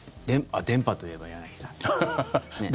あっ、電波といえば柳澤さん。